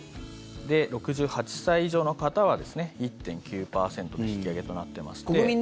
６８歳以上の方は１．９％の引き上げとなっていまして。